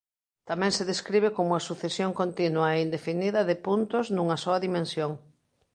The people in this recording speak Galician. Tamén se describe como a sucesión continua e indefinida de puntos nunha soa dimensión.